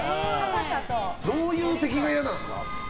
どういう敵が嫌なんですか？